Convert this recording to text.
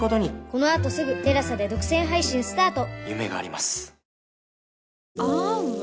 このあとすぐ ＴＥＬＡＳＡ で独占配信スタート